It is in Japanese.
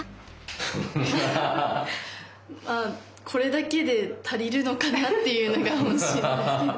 これだけで足りるのかな？っていうのが本心です。